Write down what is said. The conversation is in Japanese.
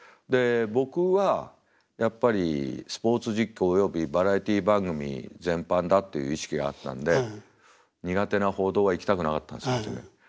で僕はやっぱりスポーツ実況およびバラエティー番組全般だっていう意識があったんで苦手な報道は行きたくなかったんです初め。